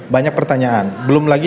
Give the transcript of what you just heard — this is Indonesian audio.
banyak pertanyaan belum lagi